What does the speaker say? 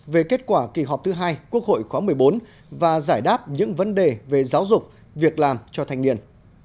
về kết quả kỳ họp thứ hai quốc hội khóa một mươi bốn và giải đáp những vấn đề về giáo dục việc làm cho thanh niên